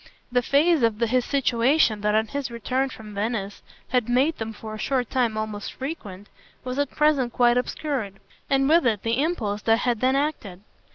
The phase of his situation that on his return from Venice had made them for a short time almost frequent was at present quite obscured, and with it the impulse that had then acted.